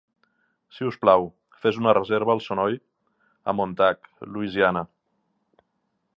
Sisplau, fes una reserva al Sonoy, a Montague, Louisiana.